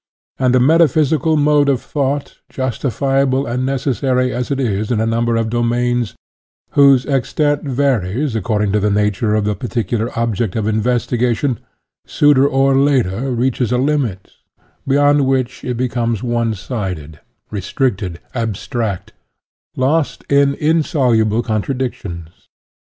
And the metaphysical mode of thought, jus tifiable and necessary as it is in a number of domains whose extent varies according to the nature of the particular object of investigation, sooner or later reaches a limit, beyond which it becomes one sided, re stricted* abstract, lost in insoluble contradic UTOPIAN AND SCIENTIFIC 8l tions.